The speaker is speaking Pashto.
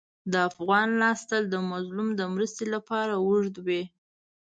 د افغان لاس تل د مظلوم د مرستې لپاره اوږد وي.